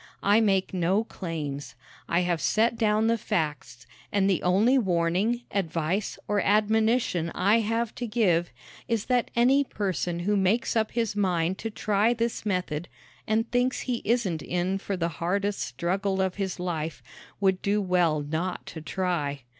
I make no claims. I have set down the facts; and the only warning, advice or admonition I have to give is that any person who makes up his mind to try this method and thinks he isn't in for the hardest struggle of his life would do well not to try.